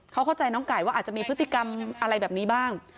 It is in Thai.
เขาเข้าใจน้องไก่ว่าอาจจะมีพฤติกรรมอะไรแบบนี้บ้าง